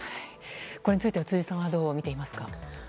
これについては辻さんは、どう見ていますか？